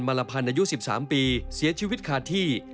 รพันธ์อายุ๑๓ปีเสียชีวิตคาที่